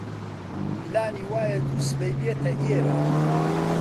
پلانی وایە دووسبەی بێتە ئێرە.